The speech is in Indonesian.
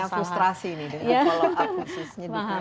deklarerannya frustrasi nih